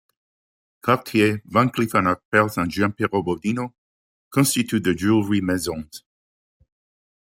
Cartier, Van Cleef and Arpels, and Giampiero Bodino constitute the Jewellery Maisons.